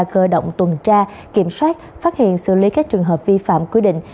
cơ động tuần tra kiểm soát phát hiện xử lý các trường hợp vi phạm quy định